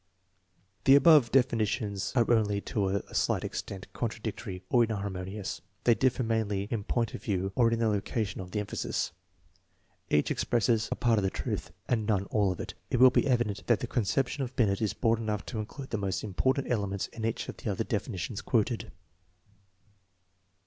The above definitions are only to a slight extent con tradictory or inharmonious. They differ mainly in point of view or in the location of the emphasis. Each expresses a part of the truth, and none all of it. It will be evident that the conception of Binet is broad enough to include the most important elements in each of the other definitions quoted.